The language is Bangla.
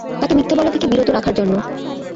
তাকে মিথ্যা বলা থেকে বিরত রাখার জন্য।